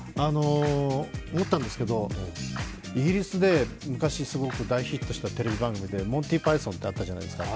思ったんですけど、イギリスで昔すごく大ヒットしたテレビ番組で、「モンティパイソン」ってあったじゃないですか。